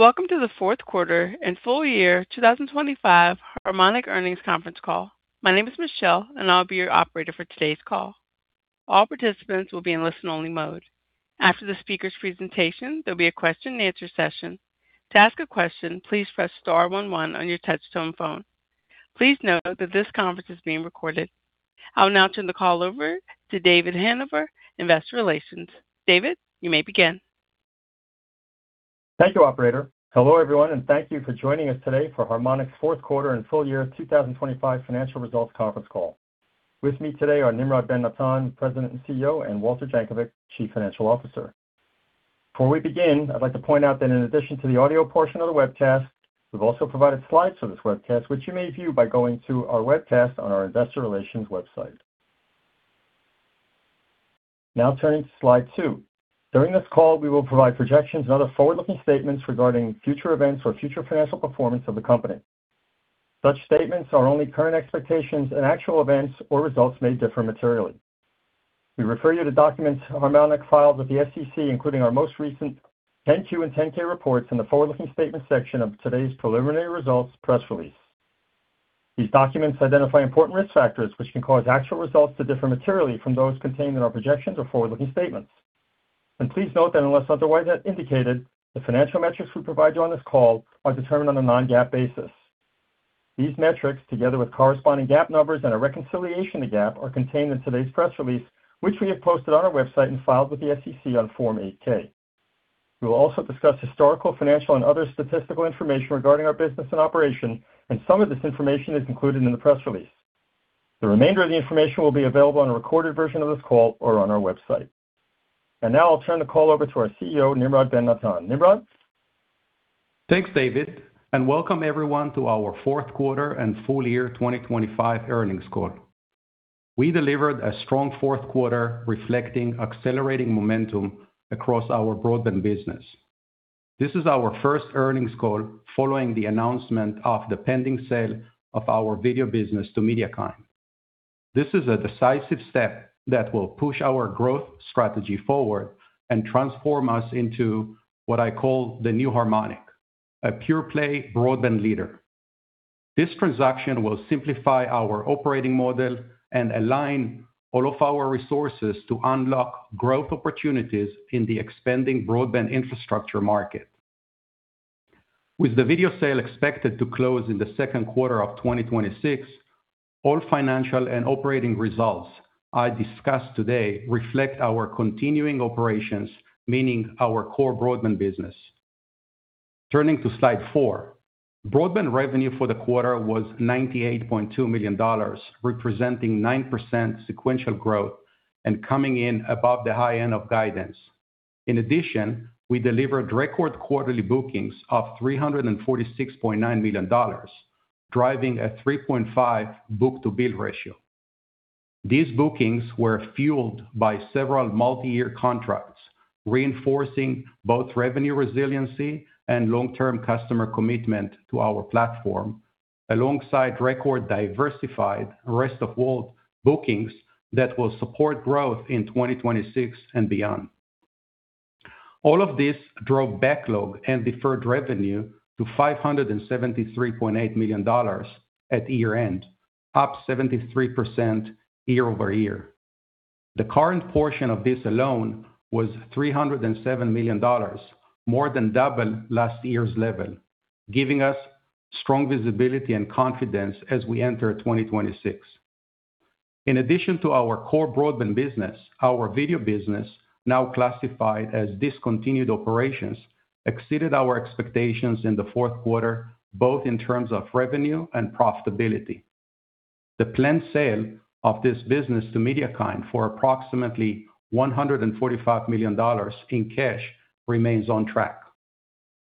Welcome to the fourth quarter and full year 2025 Harmonic earnings conference call. My name is Michelle, and I'll be your operator for today's call. All participants will be in listen-only mode. After the speaker's presentation, there'll be a question-and-answer session. To ask a question, please press star one one on your touchtone phone. Please note that this conference is being recorded. I'll now turn the call over to David Hanover, Investor Relations. David, you may begin. Thank you, operator. Hello, everyone, and thank you for joining us today for Harmonic's fourth quarter and full year 2025 financial results conference call. With me today are Nimrod Ben-Natan, President and CEO, and Walter Jankovic, Chief Financial Officer. Before we begin, I'd like to point out that in addition to the audio portion of the webcast, we've also provided slides for this webcast, which you may view by going to our webcast on our Investor Relations website. Now turning to slide two. During this call, we will provide projections and other forward-looking statements regarding future events or future financial performance of the company. Such statements are only current expectations, and actual events or results may differ materially. We refer you to documents Harmonic filed with the SEC, including our most recent 10-Q and 10-K reports in the forward-looking statement section of today's preliminary results press release. These documents identify important risk factors, which can cause actual results to differ materially from those contained in our projections or forward-looking statements. Please note that unless otherwise indicated, the financial metrics we provide you on this call are determined on a non-GAAP basis. These metrics, together with corresponding GAAP numbers and a reconciliation to GAAP, are contained in today's press release, which we have posted on our website and filed with the SEC on Form 8-K. We will also discuss historical, financial, and other statistical information regarding our business and operation, and some of this information is included in the press release. The remainder of the information will be available on a recorded version of this call or on our website. Now I'll turn the call over to our CEO, Nimrod Ben-Natan. Nimrod? Thanks, David, and welcome everyone to our fourth quarter and full year 2025 earnings call. We delivered a strong fourth quarter, reflecting accelerating momentum across our Broadband business. This is our first earnings call following the announcement of the pending sale of our Video business to MediaKind. This is a decisive step that will push our growth strategy forward and transform us into what I call the new Harmonic, a pure-play broadband leader. This transaction will simplify our operating model and align all of our resources to unlock growth opportunities in the expanding broadband infrastructure market. With the video sale expected to close in the second quarter of 2026, all financial and operating results I discussed today reflect our continuing operations, meaning our core Broadband business. Turning to slide four. Broadband revenue for the quarter was $98.2 million, representing 9% sequential growth and coming in above the high end of guidance. In addition, we delivered record quarterly bookings of $346.9 million, driving a 3.5 book-to-bill ratio. These bookings were fueled by several multi-year contracts, reinforcing both revenue resiliency and long-term customer commitment to our platform, alongside record diversified Rest of World bookings that will support growth in 2026 and beyond. All of this drove backlog and deferred revenue to $573.8 million at year-end, up 73% year-over-year. The current portion of this alone was $307 million, more than double last year's level, giving us strong visibility and confidence as we enter 2026. In addition to our core Broadband business, our Video business, now classified as discontinued operations, exceeded our expectations in the fourth quarter, both in terms of revenue and profitability. The planned sale of this business to MediaKind for approximately $145 million in cash remains on track.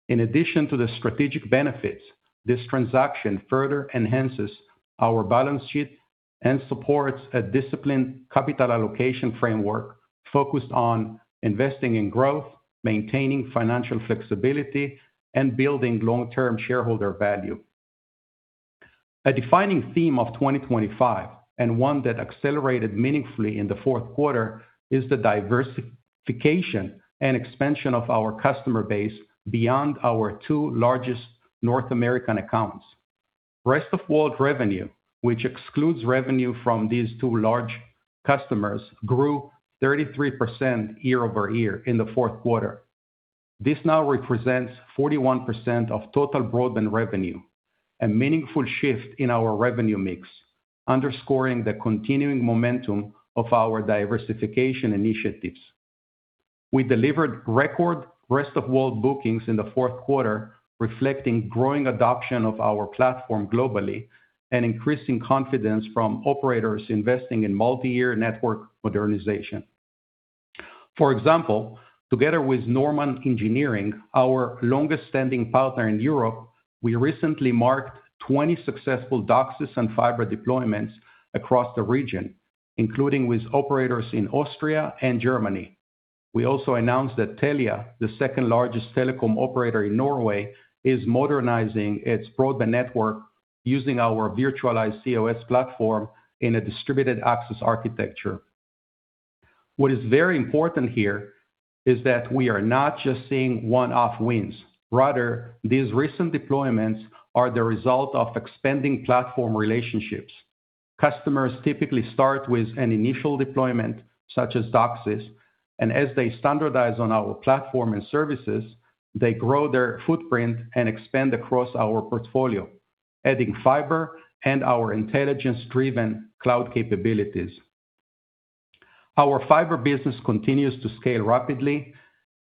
In addition to the strategic benefits, this transaction further enhances our balance sheet and supports a disciplined capital allocation framework focused on investing in growth, maintaining financial flexibility, and building long-term shareholder value. A defining theme of 2025, and one that accelerated meaningfully in the fourth quarter, is the diversification and expansion of our customer base beyond our two largest North American accounts. Rest of World revenue, which excludes revenue from these two large customers, grew 33% year-over-year in the fourth quarter. This now represents 41% of total Broadband revenue, a meaningful shift in our revenue mix, underscoring the continuing momentum of our diversification initiatives. We delivered record Rest of World bookings in the fourth quarter, reflecting growing adoption of our platform globally and increasing confidence from operators investing in multi-year network modernization. For example, together with Normann Engineering, our longest-standing partner in Europe, we recently marked 20 successful DOCSIS and fiber deployments across the region, including with operators in Austria and Germany. We also announced that Telia, the second-largest telecom operator in Norway, is modernizing its broadband network using our virtualized cOS platform in a distributed access architecture. What is very important here is that we are not just seeing one-off wins. Rather, these recent deployments are the result of expanding platform relationships. Customers typically start with an initial deployment, such as DOCSIS, and as they standardize on our platform and services, they grow their footprint and expand across our portfolio, adding fiber and our intelligence-driven cloud capabilities. Our fiber business continues to scale rapidly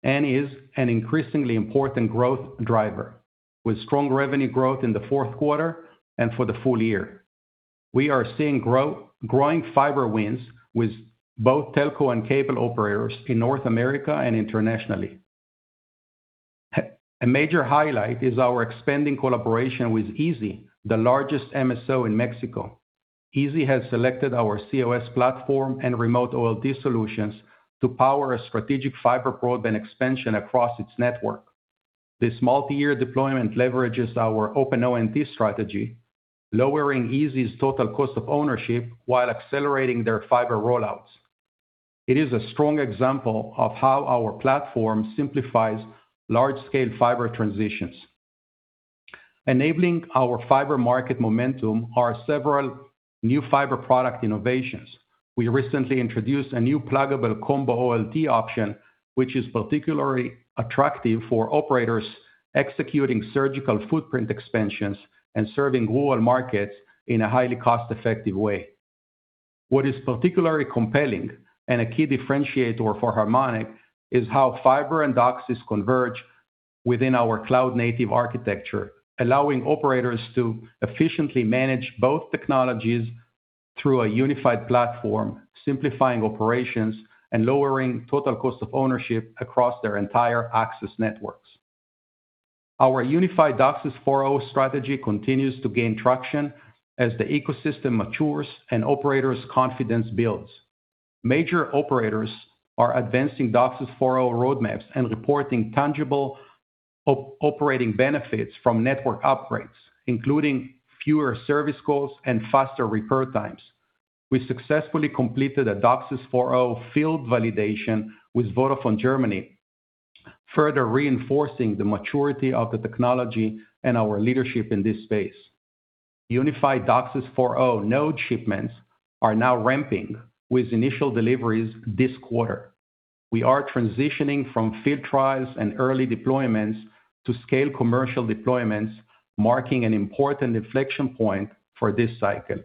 and is an increasingly important growth driver, with strong revenue growth in the fourth quarter and for the full year. We are seeing growing fiber wins with both telco and cable operators in North America and internationally. A major highlight is our expanding collaboration with izzi, the largest MSO in Mexico. izzi has selected our cOS platform and remote OLT solutions to power a strategic fiber broadband expansion across its network. This multi-year deployment leverages our Open ONT strategy, lowering izzi's total cost of ownership while accelerating their fiber rollouts. It is a strong example of how our platform simplifies large-scale fiber transitions. Enabling our fiber market momentum are several new fiber product innovations. We recently introduced a new pluggable combo OLT option, which is particularly attractive for operators executing surgical footprint expansions and serving rural markets in a highly cost-effective way. What is particularly compelling, and a key differentiator for Harmonic, is how fiber and DOCSIS converge within our cloud-native architecture, allowing operators to efficiently manage both technologies through a unified platform, simplifying operations and lowering total cost of ownership across their entire access networks. Our unified DOCSIS 4.0 strategy continues to gain traction as the ecosystem matures and operators' confidence builds. Major operators are advancing DOCSIS 4.0 roadmaps and reporting tangible operating benefits from network upgrades, including fewer service calls and faster repair times. We successfully completed a DOCSIS 4.0 field validation with Vodafone Germany, further reinforcing the maturity of the technology and our leadership in this space. Unified DOCSIS 4.0 node shipments are now ramping, with initial deliveries this quarter. We are transitioning from field trials and early deployments to scale commercial deployments, marking an important inflection point for this cycle.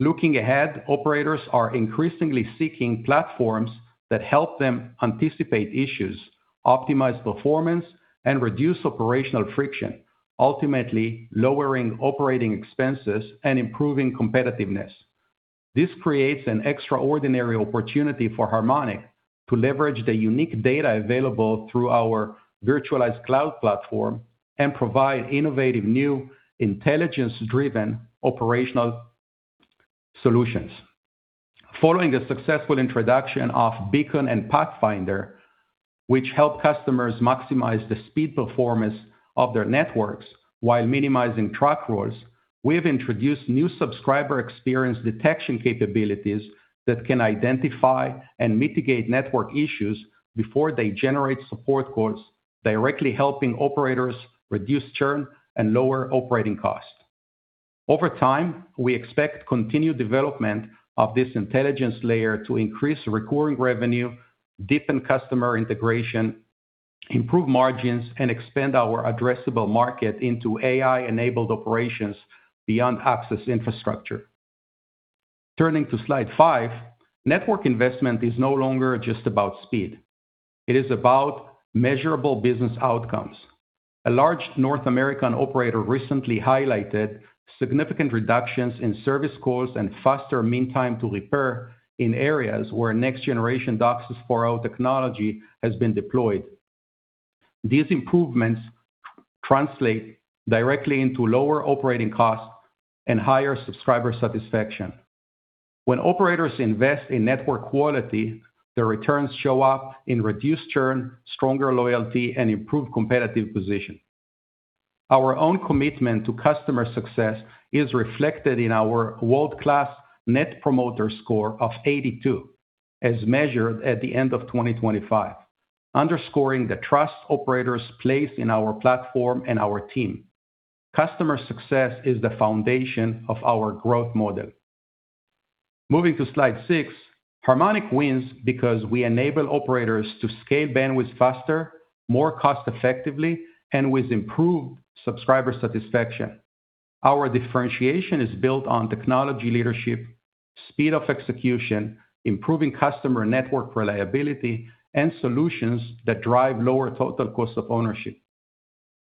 Looking ahead, operators are increasingly seeking platforms that help them anticipate issues, optimize performance, and reduce operational friction, ultimately lowering operating expenses and improving competitiveness. This creates an extraordinary opportunity for Harmonic to leverage the unique data available through our virtualized cloud platform and provide innovative new intelligence-driven operational solutions. Following the successful introduction of Beacon and Pathfinder, which help customers maximize the speed performance of their networks while minimizing truck rolls, we have introduced new subscriber experience detection capabilities that can identify and mitigate network issues before they generate support calls, directly helping operators reduce churn and lower operating costs. Over time, we expect continued development of this intelligence layer to increase recurring revenue, deepen customer integration, improve margins, and expand our addressable market into AI-enabled operations beyond access infrastructure. Turning to slide five, network investment is no longer just about speed. It is about measurable business outcomes. A large North American operator recently highlighted significant reductions in service calls and faster mean time to repair in areas where next generation DOCSIS 4.0 technology has been deployed. These improvements translate directly into lower operating costs and higher subscriber satisfaction. When operators invest in network quality, the returns show up in reduced churn, stronger loyalty, and improved competitive position. Our own commitment to customer success is reflected in our world-class Net Promoter Score of 82, as measured at the end of 2025, underscoring the trust operators place in our platform and our team. Customer success is the foundation of our growth model. Moving to slide six, Harmonic wins because we enable operators to scale bandwidth faster, more cost effectively, and with improved subscriber satisfaction. Our differentiation is built on technology leadership, speed of execution, improving customer network reliability, and solutions that drive lower total cost of ownership.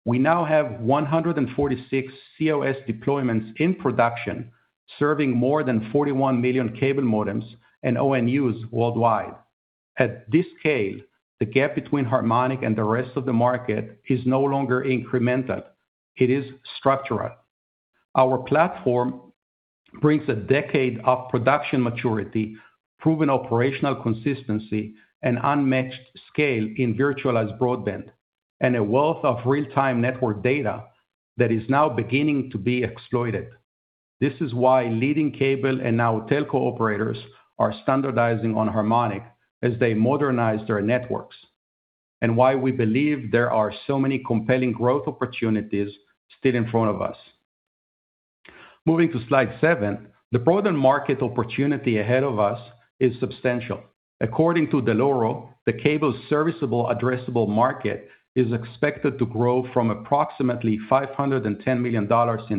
We now have 146 cOS deployments in production, serving more than 41 million cable modems and ONUs worldwide. At this scale, the gap between Harmonic and the rest of the market is no longer incremental; it is structural. Our platform brings a decade of production maturity, proven operational consistency, and unmatched scale in virtualized broadband, and a wealth of real-time network data that is now beginning to be exploited. This is why leading cable and now telco operators are standardizing on Harmonic as they modernize their networks, and why we believe there are so many compelling growth opportunities still in front of us. Moving to slide seven, the broader market opportunity ahead of us is substantial. According to Dell'Oro, the cable serviceable addressable market is expected to grow from approximately $510 million in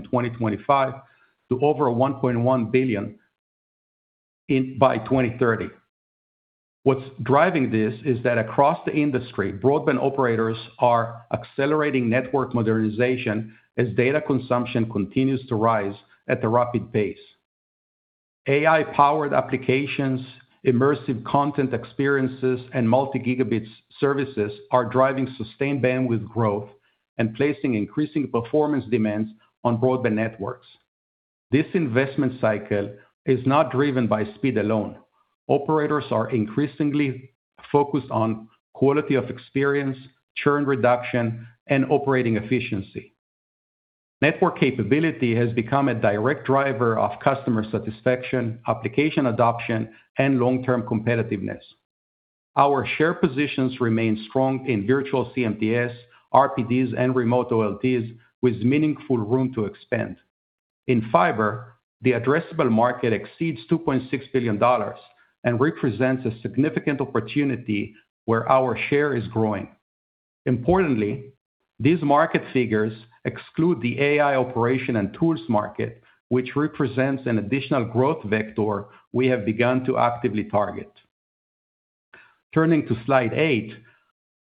2025 to over $1.1 billion by 2030. What's driving this is that across the industry, broadband operators are accelerating network modernization as data consumption continues to rise at a rapid pace. AI-powered applications, immersive content experiences, and multi-gigabit services are driving sustained bandwidth growth and placing increasing performance demands on broadband networks. This investment cycle is not driven by speed alone. Operators are increasingly focused on quality of experience, churn reduction, and operating efficiency. Network capability has become a direct driver of customer satisfaction, application adoption, and long-term competitiveness. Our share positions remain strong in virtual CMTS, RPDs, and remote OLTs, with meaningful room to expand. In fiber, the addressable market exceeds $2.6 billion and represents a significant opportunity where our share is growing. Importantly, these market figures exclude the AI operation and tools market, which represents an additional growth vector we have begun to actively target. Turning to slide eight,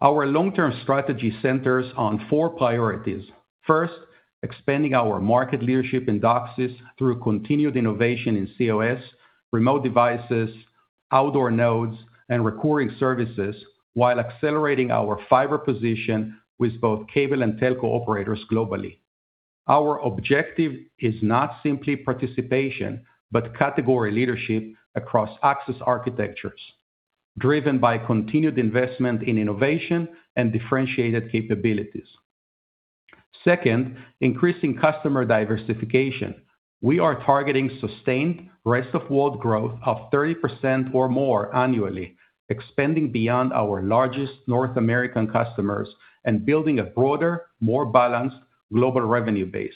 our long-term strategy centers on four priorities. First, expanding our market leadership in DOCSIS through continued innovation in cOS, remote devices, outdoor nodes, and recurring services, while accelerating our fiber position with both cable and telco operators globally. Our objective is not simply participation, but category leadership across access architectures, driven by continued investment in innovation and differentiated capabilities. Second, increasing customer diversification. We are targeting sustained Rest of World growth of 30% or more annually, expanding beyond our largest North American customers and building a broader, more balanced global revenue base.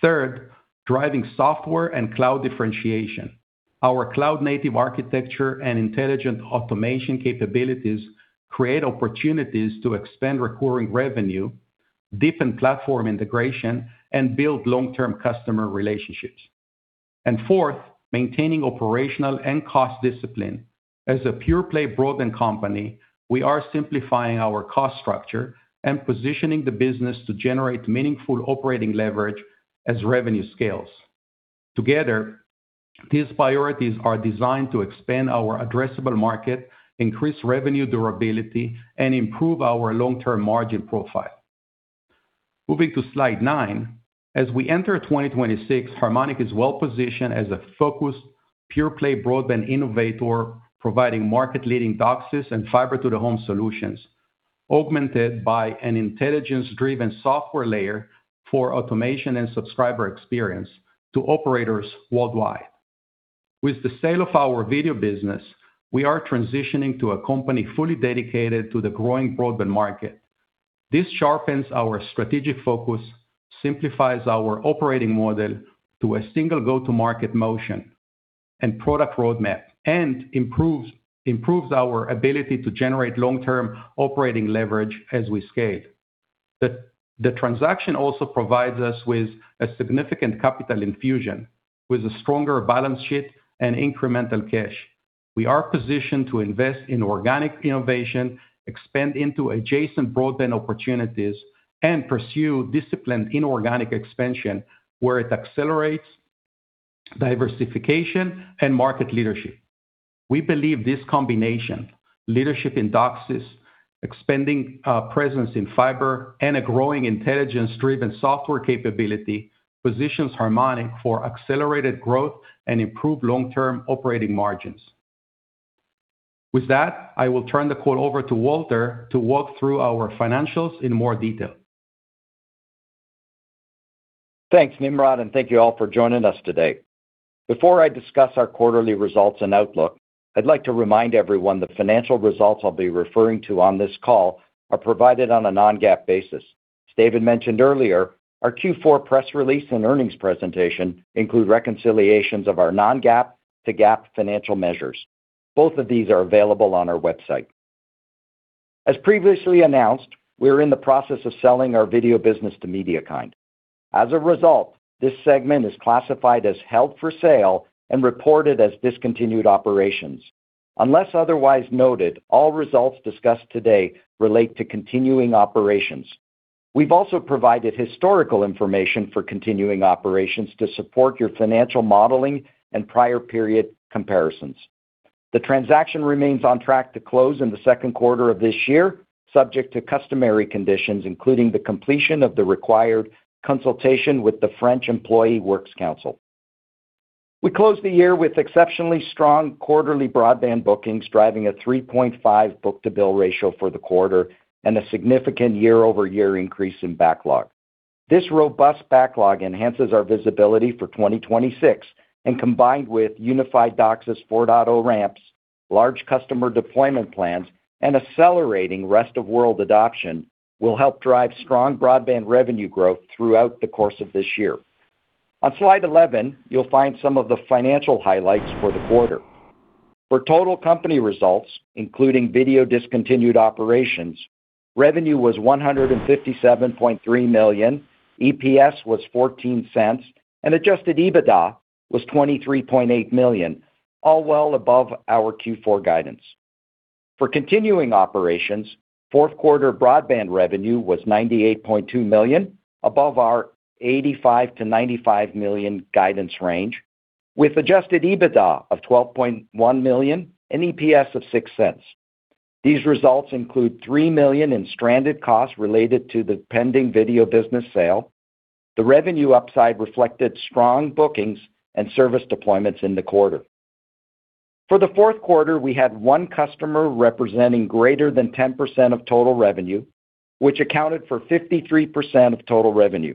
Third, driving software and cloud differentiation. Our cloud-native architecture and intelligent automation capabilities create opportunities to expand recurring revenue, deepen platform integration, and build long-term customer relationships. And fourth, maintaining operational and cost discipline. As a pure-play broadband company, we are simplifying our cost structure and positioning the business to generate meaningful operating leverage as revenue scales. Together, these priorities are designed to expand our addressable market, increase revenue durability, and improve our long-term margin profile. Moving to slide nine. As we enter 2026, Harmonic is well-positioned as a focused, pure-play broadband innovator, providing market-leading DOCSIS and fiber to the home solutions, augmented by an intelligence-driven software layer for automation and subscriber experience to operators worldwide. With the sale of our Video business, we are transitioning to a company fully dedicated to the growing broadband market. This sharpens our strategic focus, simplifies our operating model to a single go-to-market motion and product roadmap, and improves our ability to generate long-term operating leverage as we scale. The transaction also provides us with a significant capital infusion, with a stronger balance sheet and incremental cash. We are positioned to invest in organic innovation, expand into adjacent broadband opportunities, and pursue disciplined inorganic expansion where it accelerates diversification and market leadership. We believe this combination, leadership in DOCSIS, expanding presence in fiber, and a growing intelligence-driven software capability, positions Harmonic for accelerated growth and improved long-term operating margins. With that, I will turn the call over to Walter to walk through our financials in more detail. Thanks, Nimrod, and thank you all for joining us today. Before I discuss our quarterly results and outlook, I'd like to remind everyone the financial results I'll be referring to on this call are provided on a non-GAAP basis. As David mentioned earlier, our Q4 press release and earnings presentation include reconciliations of our non-GAAP to GAAP financial measures. Both of these are available on our website. As previously announced, we are in the process of selling our Video business to MediaKind. As a result, this segment is classified as held for sale and reported as discontinued operations. Unless otherwise noted, all results discussed today relate to continuing operations. We've also provided historical information for continuing operations to support your financial modeling and prior period comparisons. The transaction remains on track to close in the second quarter of this year, subject to customary conditions, including the completion of the required consultation with the French Employee Works Council. We closed the year with exceptionally strong quarterly broadband bookings, driving a 3.5 book-to-bill ratio for the quarter and a significant year-over-year increase in backlog. This robust backlog enhances our visibility for 2026, and combined with unified DOCSIS 4.0 ramps, large customer deployment plans, and accelerating Rest of World adoption, will help drive strong broadband revenue growth throughout the course of this year. On slide 11, you'll find some of the financial highlights for the quarter. For total company results, including video discontinued operations, revenue was $157.3 million, EPS was $0.14, and adjusted EBITDA was $23.8 million, all well above our Q4 guidance. For continuing operations, fourth quarter Broadband revenue was $98.2 million, above our $85 million-$95 million guidance range, with adjusted EBITDA of $12.1 million and EPS of $0.06. These results include $3 million in stranded costs related to the pending Video business sale. The revenue upside reflected strong bookings and service deployments in the quarter. For the fourth quarter, we had one customer representing greater than 10% of total revenue, which accounted for 53% of total revenue.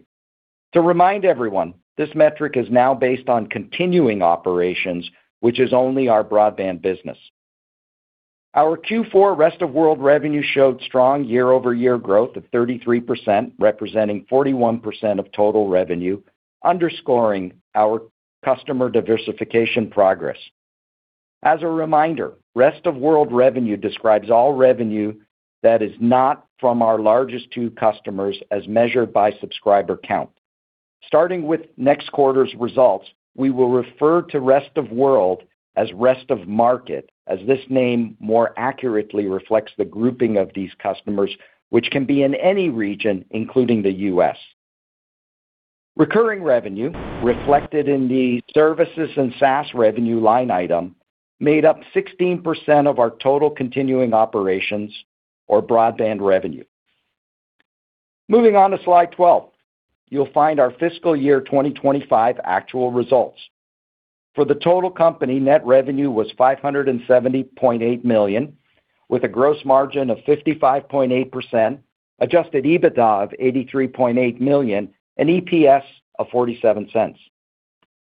To remind everyone, this metric is now based on continuing operations, which is only our Broadband business. Our Q4 Rest of World revenue showed strong year-over-year growth of 33%, representing 41% of total revenue, underscoring our customer diversification progress. As a reminder, Rest of World revenue describes all revenue that is not from our largest two customers as measured by subscriber count. Starting with next quarter's results, we will refer to Rest of World as Rest of Market, as this name more accurately reflects the grouping of these customers, which can be in any region, including the U.S. Recurring revenue, reflected in the services and SaaS revenue line item, made up 16% of our total continuing operations or Broadband revenue. Moving on to slide 12, you'll find our fiscal year 2025 actual results. For the total company, net revenue was $570.8 million, with a gross margin of 55.8%, adjusted EBITDA of $83.8 million, and EPS of $0.47.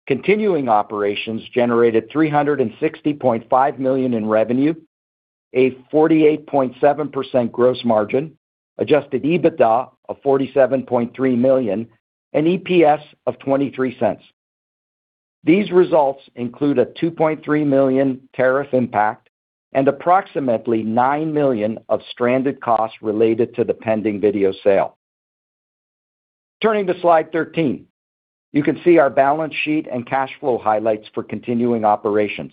Continuing operations generated $360.5 million in revenue, a 48.7% gross margin, adjusted EBITDA of $47.3 million, and EPS of $0.23. These results include a $2.3 million tariff impact and approximately $9 million of stranded costs related to the pending video sale. Turning to slide 13, you can see our balance sheet and cash flow highlights for continuing operations.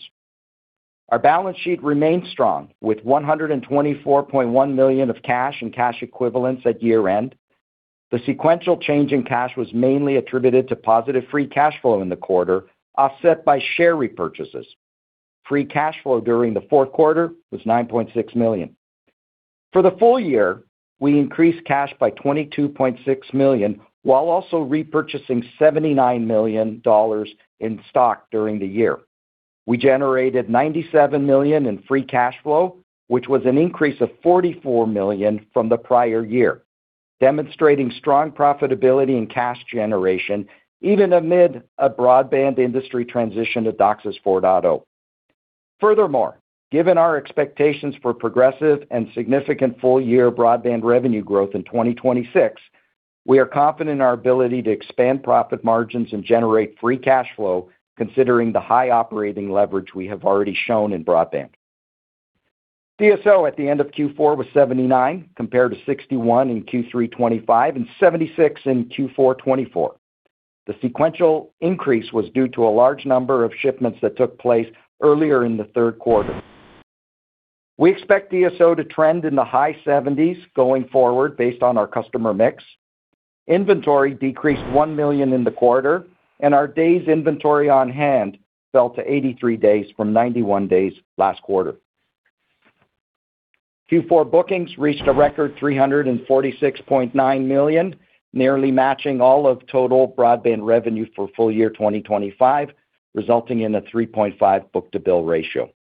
Our balance sheet remains strong, with $124.1 million of cash and cash equivalents at year-end. The sequential change in cash was mainly attributed to positive free cash flow in the quarter, offset by share repurchases. Free cash flow during the fourth quarter was $9.6 million. For the full year, we increased cash by $22.6 million, while also repurchasing $79 million in stock during the year. We generated $97 million in free cash flow, which was an increase of $44 million from the prior year, demonstrating strong profitability and cash generation even amid a broadband industry transition to DOCSIS 4.0. Furthermore, given our expectations for progressive and significant full-year broadband revenue growth in 2026, we are confident in our ability to expand profit margins and generate free cash flow, considering the high operating leverage we have already shown in broadband. DSO at the end of Q4 was 79, compared to 61 in Q3 2025 and 76 in Q4 2024. The sequential increase was due to a large number of shipments that took place earlier in the third quarter. We expect DSO to trend in the high 70s going forward based on our customer mix. Inventory decreased $1 million in the quarter, and our days inventory on hand fell to 83 days from 91 days last quarter. Q4 bookings reached a record $346.9 million, nearly matching all of total Broadband revenue for full year 2025, resulting in a 3.5 book-to-bill ratio.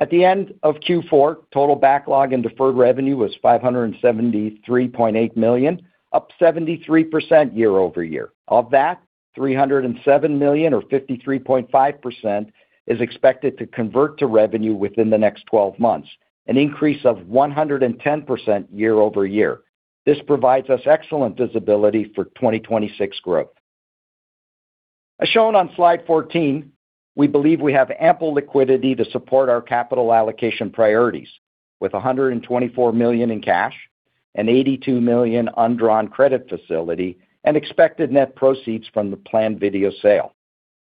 At the end of Q4, total backlog and deferred revenue was $573.8 million, up 73% year-over-year. Of that, $307 million or 53.5% is expected to convert to revenue within the next 12 months, an increase of 110% year-over-year. This provides us excellent visibility for 2026 growth. As shown on slide 14, we believe we have ample liquidity to support our capital allocation priorities, with $124 million in cash, an $82 million undrawn credit facility, and expected net proceeds from the planned video sale.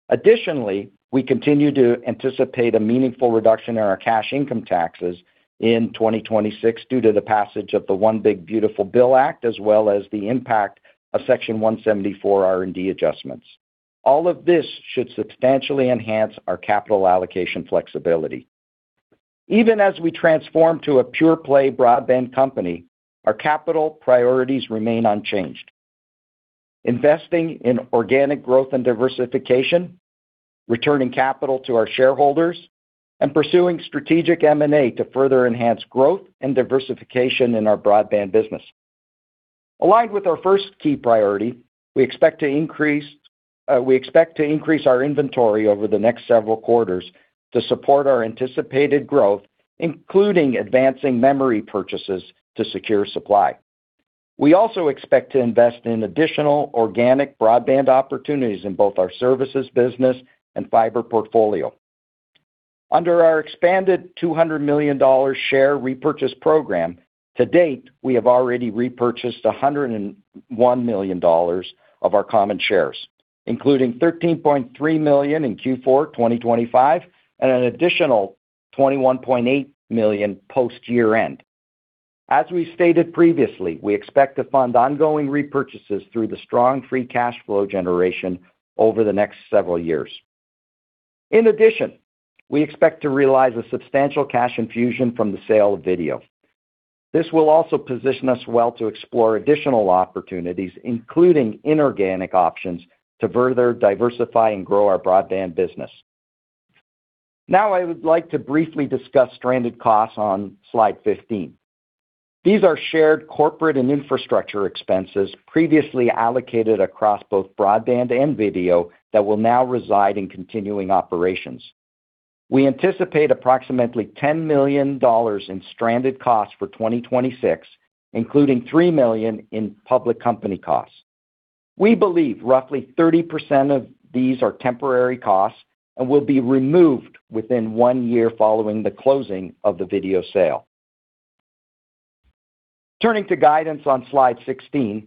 Additionally, we continue to anticipate a meaningful reduction in our cash income taxes in 2026 due to the passage of the One Big Beautiful Bill Act, as well as the impact of Section 174 R&D adjustments. All of this should substantially enhance our capital allocation flexibility. Even as we transform to a pure-play broadband company, our capital priorities remain unchanged. Investing in organic growth and diversification, returning capital to our shareholders, and pursuing strategic M&A to further enhance growth and diversification in our Broadband business. Aligned with our first key priority, we expect to increase, we expect to increase our inventory over the next several quarters to support our anticipated growth, including advancing memory purchases to secure supply. We also expect to invest in additional organic broadband opportunities in both our services, business, and fiber portfolio. Under our expanded $200 million share repurchase program, to date, we have already repurchased $101 million of our common shares, including $13.3 million in Q4 2025, and an additional $21.8 million post-year end. As we stated previously, we expect to fund ongoing repurchases through the strong free cash flow generation over the next several years. In addition, we expect to realize a substantial cash infusion from the sale of video. This will also position us well to explore additional opportunities, including inorganic options, to further diversify and grow our Broadband business. Now, I would like to briefly discuss stranded costs on slide 15. These are shared corporate and infrastructure expenses previously allocated across both broadband and video that will now reside in continuing operations. We anticipate approximately $10 million in stranded costs for 2026, including $3 million in public company costs. We believe roughly 30% of these are temporary costs and will be removed within one year following the closing of the video sale. Turning to guidance on slide 16,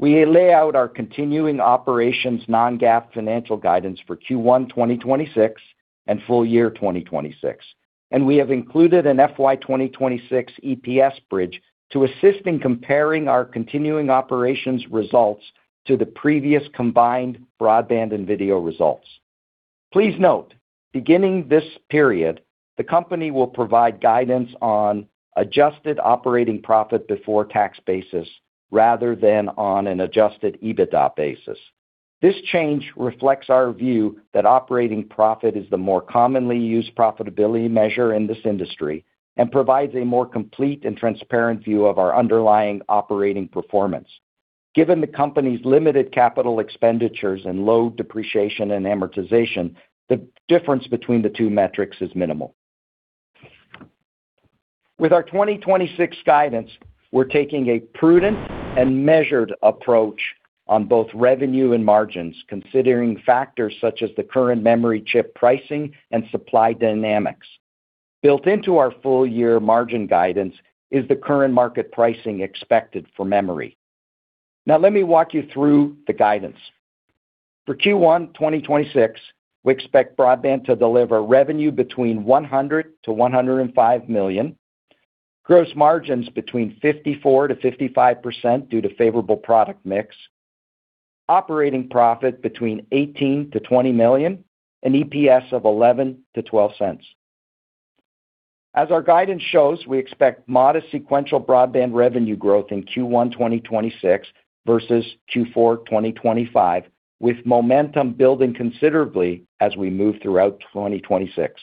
we lay out our continuing operations non-GAAP financial guidance for Q1 2026 and full year 2026, and we have included an FY 2026 EPS bridge to assist in comparing our continuing operations results to the previous combined broadband and video results. Please note, beginning this period, the company will provide guidance on adjusted operating profit before tax basis rather than on an adjusted EBITDA basis. This change reflects our view that operating profit is the more commonly used profitability measure in this industry and provides a more complete and transparent view of our underlying operating performance. Given the company's limited capital expenditures and low depreciation and amortization, the difference between the two metrics is minimal. With our 2026 guidance, we're taking a prudent and measured approach on both revenue and margins, considering factors such as the current memory chip pricing and supply dynamics. Built into our full year margin guidance is the current market pricing expected for memory. Now, let me walk you through the guidance. For Q1 2026, we expect broadband to deliver revenue between $100 million-$105 million, gross margins between 54%-55% due to favorable product mix, operating profit between $18 million-$20 million, and EPS of $0.11-$0.12. As our guidance shows, we expect modest sequential broadband revenue growth in Q1 2026 versus Q4 2025, with momentum building considerably as we move throughout 2026.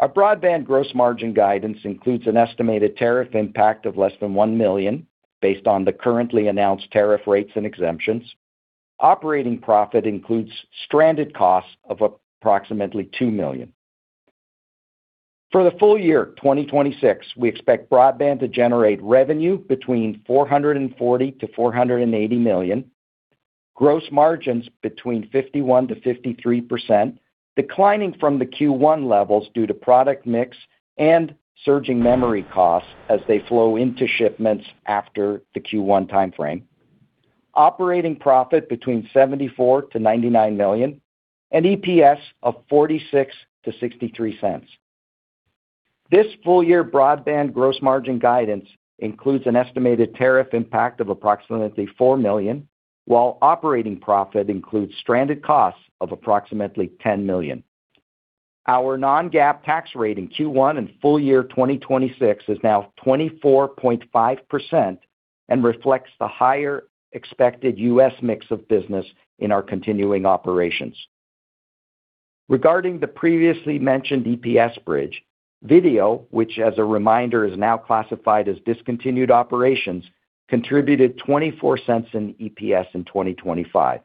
Our broadband gross margin guidance includes an estimated tariff impact of less than $1 million based on the currently announced tariff rates and exemptions. Operating profit includes stranded costs of approximately $2 million. For the full year 2026, we expect broadband to generate revenue between $440 million-$480 million, gross margins between 51%-53%, declining from the Q1 levels due to product mix and surging memory costs as they flow into shipments after the Q1 timeframe. Operating profit between $74 million-$99 million and EPS of $0.46-$0.63. This full-year broadband gross margin guidance includes an estimated tariff impact of approximately $4 million, while operating profit includes stranded costs of approximately $10 million. Our non-GAAP tax rate in Q1 and full year 2026 is now 24.5% and reflects the higher expected U.S. mix of business in our continuing operations. Regarding the previously mentioned EPS bridge, video, which, as a reminder, is now classified as discontinued operations, contributed $0.24 in EPS in 2025.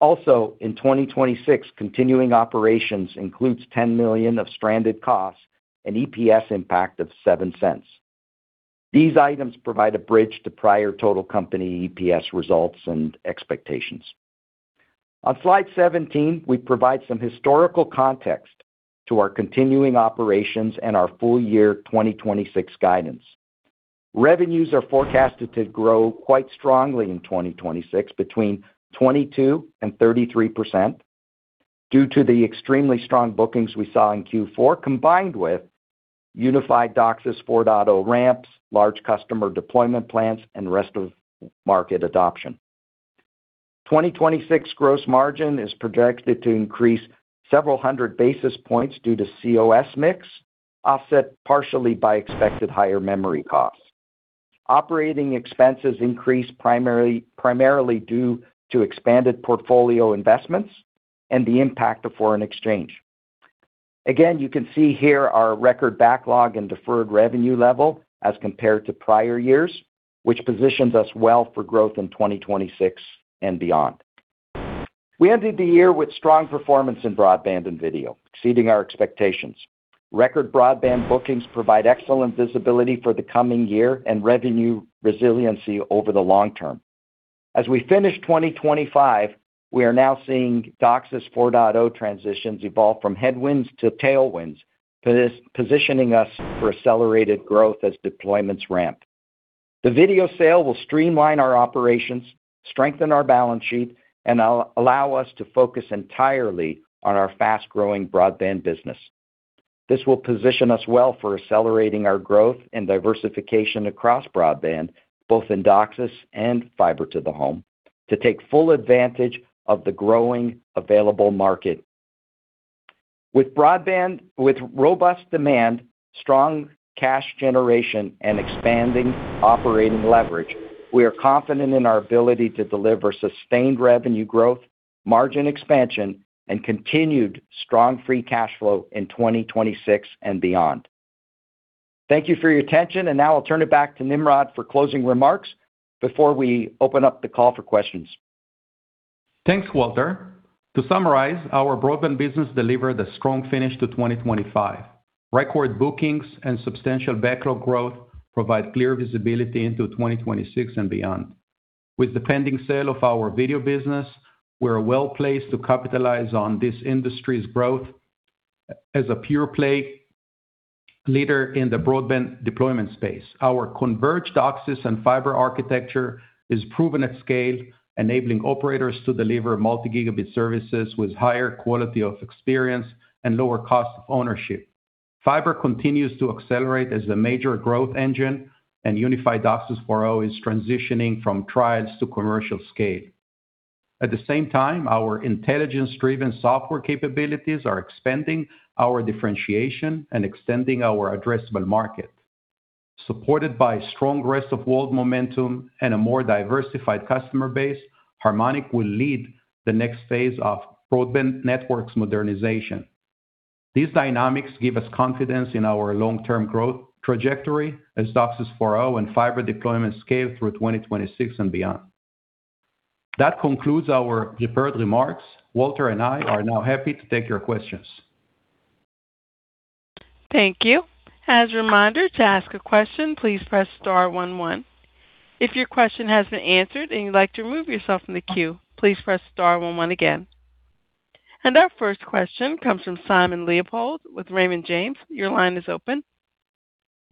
Also, in 2026, continuing operations includes $10 million of stranded costs and EPS impact of $.07. These items provide a bridge to prior total company EPS results and expectations. On Slide 17, we provide some historical context to our continuing operations and our full year 2026 guidance. Revenues are forecasted to grow quite strongly in 2026, between 22% and 33%, due to the extremely strong bookings we saw in Q4, combined with unified DOCSIS 4.0 ramps, large customer deployment plans, and rest of market adoption. 2026 gross margin is projected to increase several hundred basis points due to cOS mix, offset partially by expected higher memory costs. Operating expenses increased primarily due to expanded portfolio investments and the impact of foreign exchange. Again, you can see here our record backlog and deferred revenue level as compared to prior years, which positions us well for growth in 2026 and beyond. We ended the year with strong performance in broadband and video, exceeding our expectations. Record broadband bookings provide excellent visibility for the coming year and revenue resiliency over the long term. As we finish 2025, we are now seeing DOCSIS 4.0 transitions evolve from headwinds to tailwinds, positioning us for accelerated growth as deployments ramp. The video sale will streamline our operations, strengthen our balance sheet, and allow us to focus entirely on our fast-growing Broadband business. This will position us well for accelerating our growth and diversification across broadband, both in DOCSIS and fiber-to-the-home, to take full advantage of the growing available market. With broadband, with robust demand, strong cash generation, and expanding operating leverage, we are confident in our ability to deliver sustained revenue growth, margin expansion, and continued strong free cash flow in 2026 and beyond. Thank you for your attention, and now I'll turn it back to Nimrod for closing remarks before we open up the call for questions. Thanks, Walter. To summarize, our Broadband business delivered a strong finish to 2025. Record bookings and substantial backlog growth provide clear visibility into 2026 and beyond. With the pending sale of our Video business, we're well-placed to capitalize on this industry's growth as a pure-play leader in the broadband deployment space. Our converged DOCSIS and fiber architecture is proven at scale, enabling operators to deliver multi-gigabit services with higher quality of experience and lower cost of ownership. Fiber continues to accelerate as a major growth engine, and unified DOCSIS 4.0 is transitioning from trials to commercial scale. At the same time, our intelligence-driven software capabilities are expanding our differentiation and extending our addressable market. Supported by strong Rest of World momentum and a more diversified customer base, Harmonic will lead the next phase of broadband networks modernization. These dynamics give us confidence in our long-term growth trajectory as DOCSIS 4.0 and fiber deployment scale through 2026 and beyond. That concludes our prepared remarks. Walter and I are now happy to take your questions. Thank you. As a reminder, to ask a question, please press star one one. If your question has been answered and you'd like to remove yourself from the queue, please press star one one again. Our first question comes from Simon Leopold with Raymond James. Your line is open.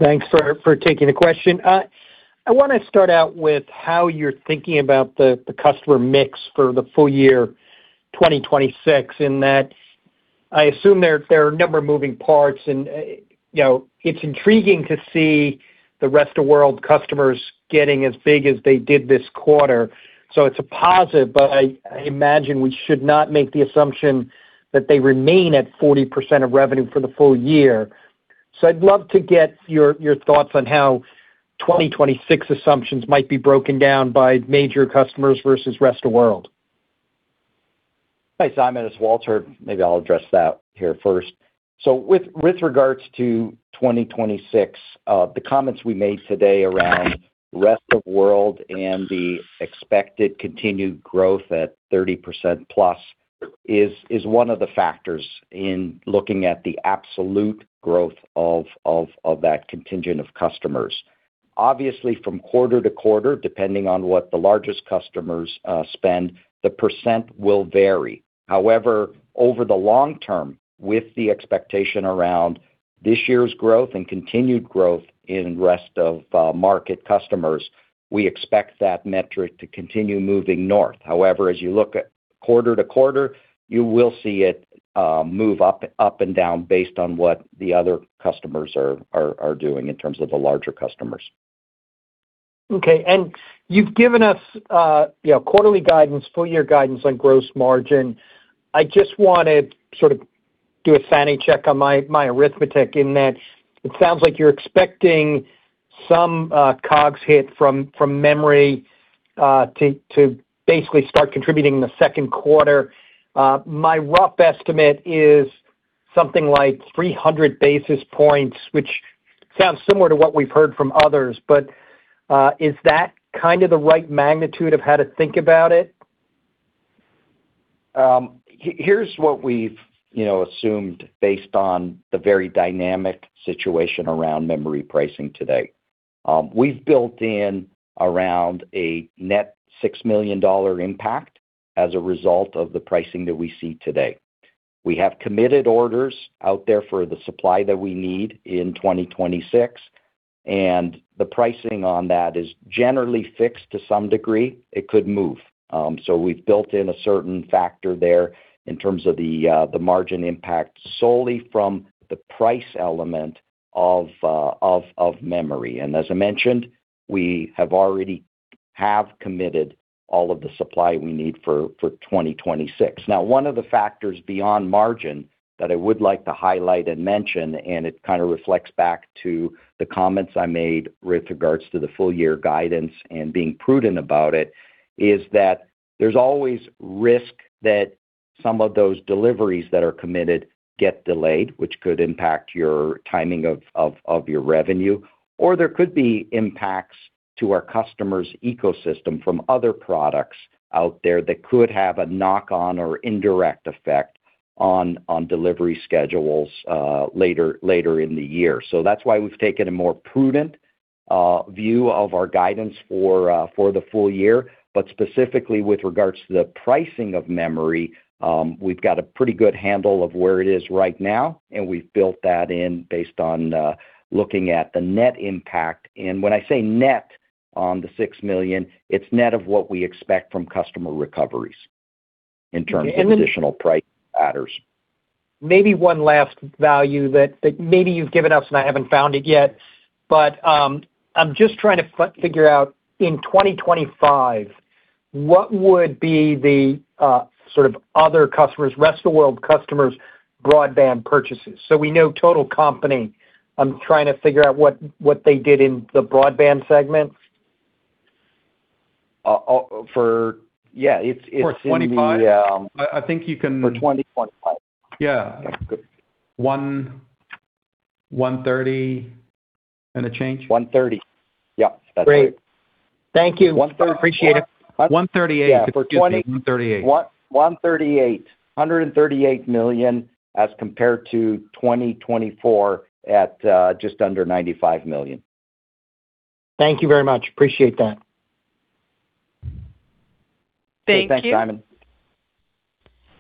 Thanks for taking the question. I want to start out with how you're thinking about the customer mix for the full year 2026, in that I assume there are a number of moving parts, and, you know, it's intriguing to see the Rest of World customers getting as big as they did this quarter. So it's a positive, but I imagine we should not make the assumption that they remain at 40% of revenue for the full year. So I'd love to get your thoughts on how 2026 assumptions might be broken down by major customers versus Rest of World. Hi, Simon, it's Walter. Maybe I'll address that here first. So with regards to 2026, the comments we made today around Rest of World and the expected continued growth at 30%+ is one of the factors in looking at the absolute growth of that contingent of customers. Obviously, from quarter to quarter, depending on what the largest customers spend, the percent will vary. However, over the long term, with the expectation around this year's growth and continued growth in rest of market customers, we expect that metric to continue moving north. However, as you look at quarter to quarter, you will see it move up and down based on what the other customers are doing in terms of the larger customers. Okay. And you've given us, you know, quarterly guidance, full year guidance on gross margin. I just wanted to sort of do a sanity check on my, my arithmetic in that it sounds like you're expecting some, COGS hit from, from memory, to, to basically start contributing in the second quarter. My rough estimate is something like 300 basis points, which sounds similar to what we've heard from others. But, is that kind of the right magnitude of how to think about it? Here's what we've, you know, assumed based on the very dynamic situation around memory pricing today. We've built in around a net $6 million impact as a result of the pricing that we see today. We have committed orders out there for the supply that we need in 2026, and the pricing on that is generally fixed to some degree. It could move. So we've built in a certain factor there in terms of the, the margin impact solely from the price element of, of memory. And as I mentioned, we have already committed all of the supply we need for 2026. Now, one of the factors beyond margin that I would like to highlight and mention, and it kind of reflects back to the comments I made with regards to the full year guidance and being prudent about it, is that there's always risk that some of those deliveries that are committed get delayed, which could impact your timing of your revenue, or there could be impacts to our customer's ecosystem from other products out there that could have a knock-on or indirect effect on delivery schedules later in the year. So that's why we've taken a more prudent view of our guidance for the full year. But specifically with regards to the pricing of memory, we've got a pretty good handle of where it is right now, and we've built that in based on looking at the net impact. When I say net on the $6 million, it's net of what we expect from customer recoveries in terms of additional price matters. Maybe one last value that maybe you've given us, and I haven't found it yet. But, I'm just trying to figure out, in 2025, what would be the sort of other customers, Rest of World customers, broadband purchases? So we know total company. I'm trying to figure out what they did in the broadband segment. Yeah, it's For 2025? Yeah. I think you can. For 2025. Yeah. $130 million and a change. $130 million. Yep, that's right. Great. Thank you. $138 million. Appreciate it. $138 million. Yeah. $138 million as compared to 2024 at just under $95 million. Thank you very much. Appreciate that. Thank you. Thanks, Simon.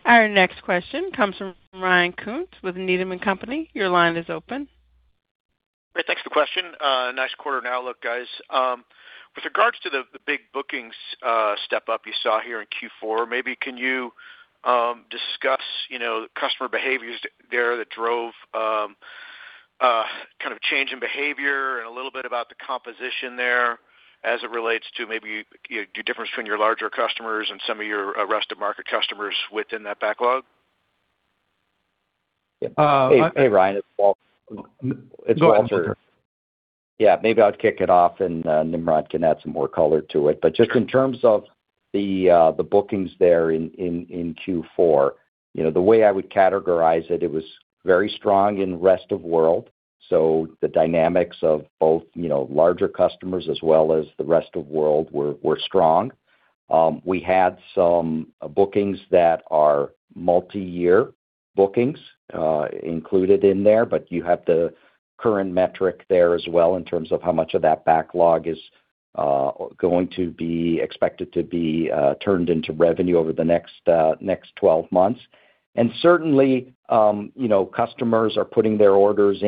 Our next question comes from Ryan Koontz, with Needham & Company. Your line is open. Great, thanks for the question. Nice quarter and outlook, guys. With regards to the big bookings step up you saw here in Q4, maybe can you discuss, you know, customer behaviors there that drove kind of change in behavior and a little bit about the composition there as it relates to maybe the difference between your larger customers and some of your rest of market customers within that backlog? Hey, Ryan, it's Walter. Go ahead. Yeah, maybe I'll kick it off, and Nimrod can add some more color to it. But just in terms of the bookings there in Q4, you know, the way I would categorize it, it was very strong in Rest of World, so the dynamics of both, you know, larger customers as well as the Rest of World were strong. We had some bookings that are multi-year bookings included in there, but you have the current metric there as well in terms of how much of that backlog is going to be turned into revenue over the next 12 months. And certainly, you know, customers are putting their orders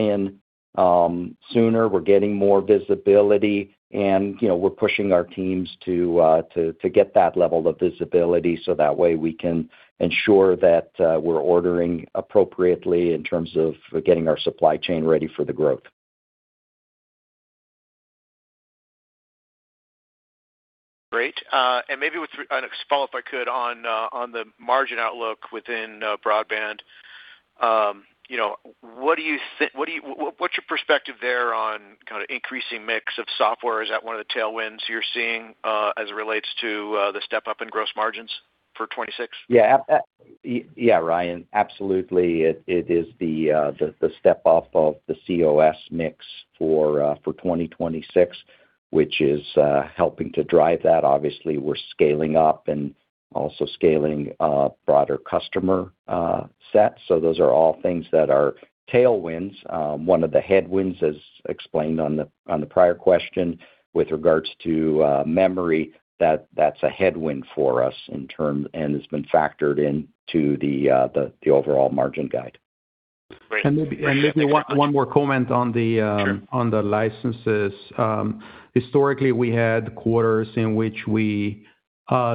in sooner. We're getting more visibility and, you know, we're pushing our teams to get that level of visibility so that way we can ensure that we're ordering appropriately in terms of getting our supply chain ready for the growth. Great. And maybe with and follow up, if I could, on the margin outlook within Broadband. You know, what do you think, what's your perspective there on kind of increasing mix of software? Is that one of the tailwinds you're seeing, as it relates to the step up in gross margins for 2026? Yeah, yeah, Ryan, absolutely. It is the step-up of the cOS mix for 2026, which is helping to drive that. Obviously, we're scaling up and also scaling a broader customer set. So those are all things that are tailwinds. One of the headwinds, as explained on the prior question with regards to memory, that's a headwind for us in term, and it's been factored into the overall margin guide. Great. Maybe one more comment on the- Sure. On the licenses. Historically, we had quarters in which we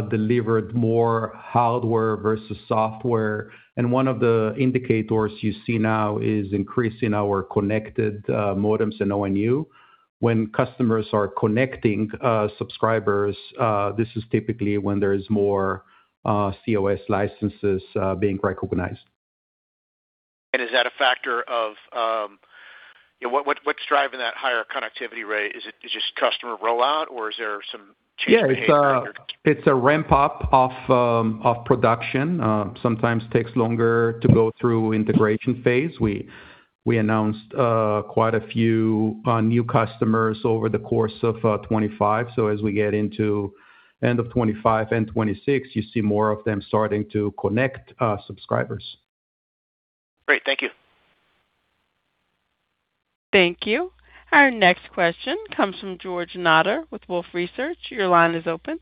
delivered more hardware versus software, and one of the indicators you see now is increasing our connected modems and ONU. When customers are connecting subscribers, this is typically when there is more cOS licenses being recognized. Is that a factor of, you know, what's driving that higher connectivity rate? Is it just customer rollout, or is there some change behavior? Yeah, it's a ramp-up of production. Sometimes takes longer to go through integration phase. We announced quite a few new customers over the course of 2025. So as we get into end of 2025 and 2026, you see more of them starting to connect subscribers. Great. Thank you. Thank you. Our next question comes from George Notter with Wolfe Research. Your line is open.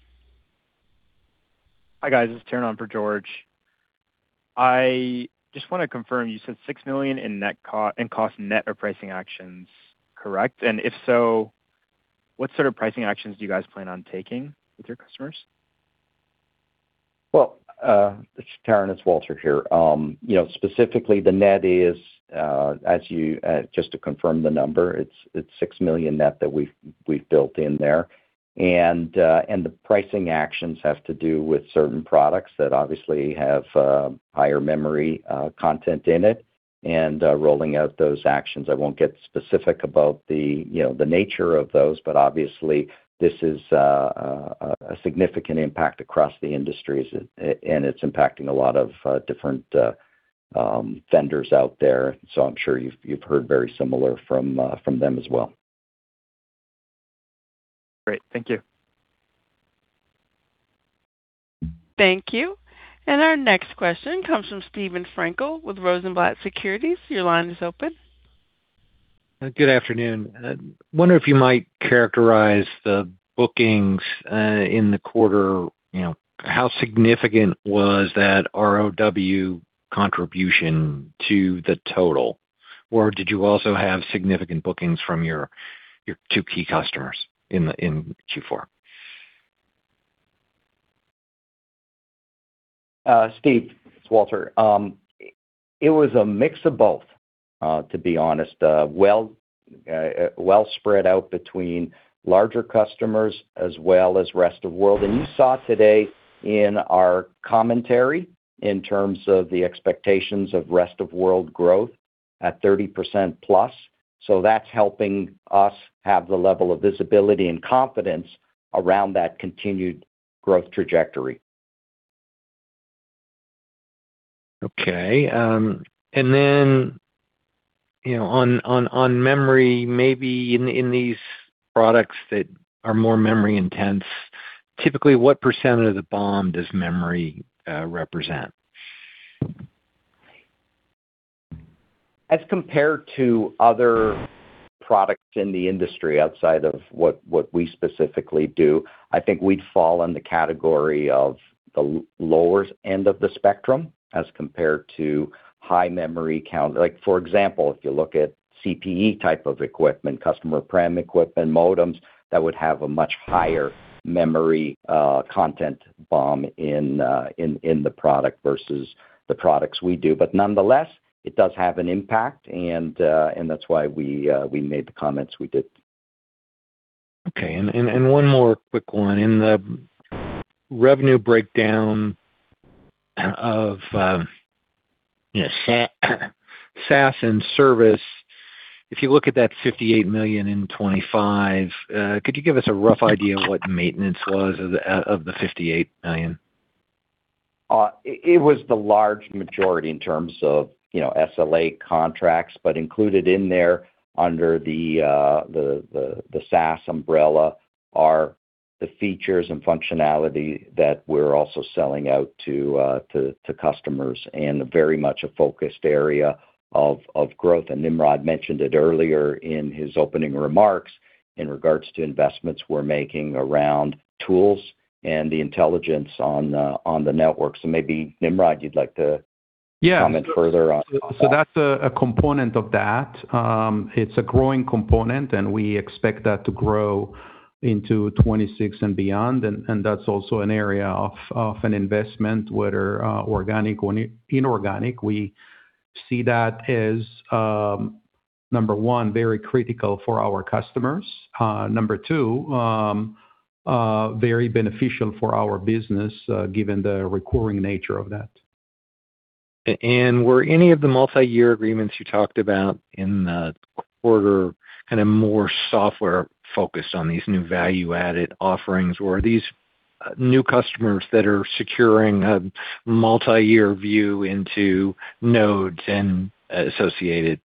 Hi, guys. It's Taran on for George. I just want to confirm, you said $6 million in net cost and pricing actions, correct? And if so, what sort of pricing actions do you guys plan on taking with your customers? Well, it's Taran, it's Walter here. You know, specifically, the net is, as you just to confirm the number, it's $6 million net that we've built in there. The pricing actions have to do with certain products that obviously have higher memory content in it, and rolling out those actions. I won't get specific about the, you know, the nature of those, but obviously, this is a significant impact across the industries, and it's impacting a lot of different vendors out there. So I'm sure you've heard very similar from them as well. Great. Thank you. Thank you. Our next question comes from Steven Frankel with Rosenblatt Securities. Your line is open. Good afternoon. I wonder if you might characterize the bookings in the quarter, you know, how significant was that RoW contribution to the total? Or did you also have significant bookings from your two key customers in Q4? Steve, it's Walter. It was a mix of both, to be honest, well spread out between larger customers as well as Rest of World. You saw today in our commentary in terms of the expectations of Rest of World growth at 30%+. That's helping us have the level of visibility and confidence around that continued growth trajectory. Okay, and then, you know, on memory, maybe in these products that are more memory intense, typically, what percentage of the BOM does memory represent? As compared to other products in the industry, outside of what, what we specifically do, I think we'd fall in the category of the lower end of the spectrum as compared to high memory count. Like, for example, if you look at CPE type of equipment, customer prem equipment, modems, that would have a much higher memory content BOM in the product versus the products we do. But nonetheless, it does have an impact, and that's why we made the comments we did. Okay. And one more quick one. In the revenue breakdown of, you know, SaaS and service, if you look at that $58 million in 2025, could you give us a rough idea of what the maintenance was of the $58 million? It was the large majority in terms of, you know, SLA contracts, but included in there under the SaaS umbrella, are the features and functionality that we're also selling out to customers, and very much a focused area of growth. And Nimrod mentioned it earlier in his opening remarks in regards to investments we're making around tools and the intelligence on the network. So maybe, Nimrod, you'd like to- Yeah. Comment further on? So that's a component of that. It's a growing component, and we expect that to grow into 2026 and beyond, and that's also an area of an investment, whether organic or inorganic. We see that as number one, very critical for our customers. Number two, very beneficial for our business, given the recurring nature of that. And were any of the multi-year agreements you talked about in the quarter kind of more software-focused on these new value-added offerings? Or are these new customers that are securing a multi-year view into nodes and associated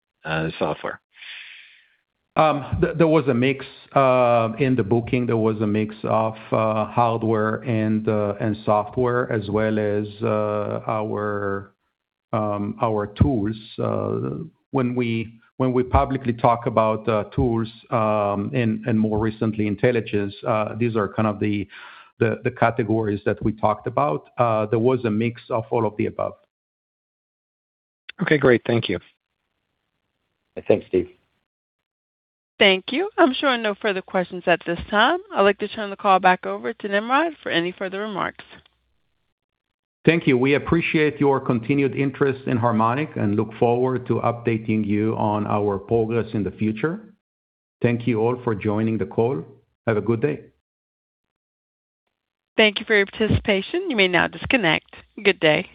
software? There was a mix in the booking. There was a mix of hardware and software, as well as our tools. When we publicly talk about tools and more recently, intelligence, these are kind of the categories that we talked about. There was a mix of all of the above. Okay, great. Thank you. Thanks, Steve. Thank you. I'm showing no further questions at this time. I'd like to turn the call back over to Nimrod for any further remarks. Thank you. We appreciate your continued interest in Harmonic and look forward to updating you on our progress in the future. Thank you all for joining the call. Have a good day. Thank you for your participation. You may now disconnect. Good day.